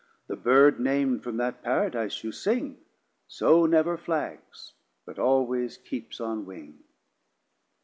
The Bird nam'd from that Paradise you sing So never flaggs, but always keeps on Wing.